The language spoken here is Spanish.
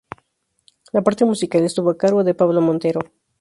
La parte musical estuvo a cargo de Pablo Montero.